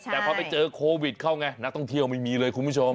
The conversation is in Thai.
แต่พอไปเจอโควิดเข้าไงนักท่องเที่ยวไม่มีเลยคุณผู้ชม